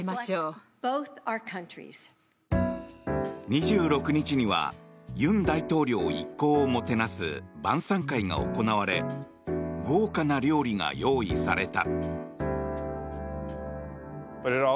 ２６日には尹大統領一行をもてなす晩さん会が行われ豪華な料理が用意された。